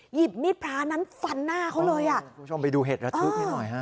หยิบมีดพลานั้นฟันหน้าเขาเลยอ่ะทุกชมไปดูเห็ดระทึบนิดหน่อยฮะ